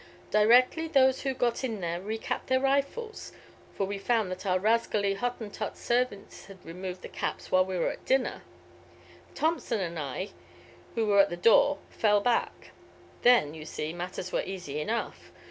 "Directly those who got in there recapped their rifles for we found that our rascally Hottentot servants had removed the caps while we were at dinner Thompson and I, who were at the door, fell back. Then, you see, matters were easy enough.